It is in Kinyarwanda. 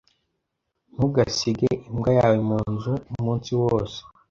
Ntugasige imbwa yawe munzu umunsi wose.